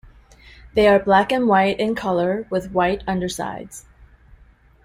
They are black and white in colour, with white undersides.